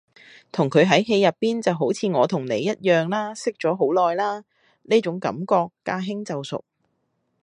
同佢喺戲入邊就好似我同你一樣啦識咗好耐啦，呢種感覺駕輕就熟